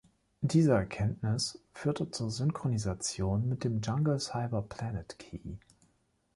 Diese Erkenntnis führte zur Synchronisation mit dem Jungle Cyber Planet Key.